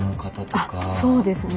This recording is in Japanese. あっそうですね。